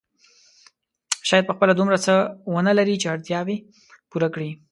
شاید په خپله دومره څه ونه لري چې اړتیاوې پوره کړي.